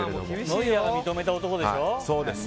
ノイアーが認めた男でしょ。